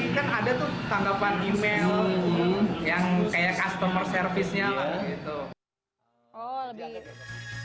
kan ada tuh tanggapan email yang kayak customer service nya lah gitu